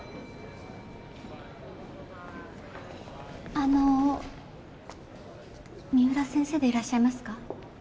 あの三浦先生でいらっしゃいますか？